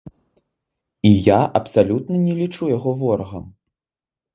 І я абсалютна не лічу яго ворагам.